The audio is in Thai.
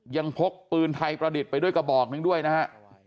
พกปืนไทยประดิษฐ์ไปด้วยกระบอกหนึ่งด้วยนะฮะ